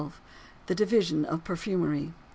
THE DIVISION OF PERFUMERY.